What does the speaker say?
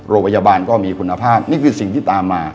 โรงพยาบาลก็มีคุณภาพนี่คือสิ่งที่ตามมา